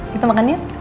kita makan yuk